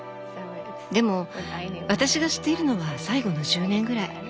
でも私が知っているのは最後の１０年ぐらい。